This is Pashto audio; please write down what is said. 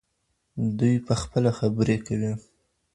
دوی پخپله خبرې کوي.